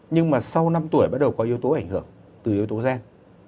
nhưng mà sau năm tuổi bắt đầu có yếu tố ảnh hưởng từ yếu tố gen